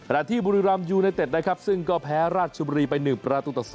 ระดาษที่บุรีรามยูไนเต็ดนะครับซึ่งก็แพ้ราชบรีไปหนึ่งประตูตะ๒